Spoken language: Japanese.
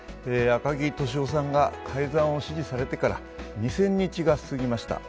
赤木俊夫さんが改ざんを指示されてから２０００日が過ぎました。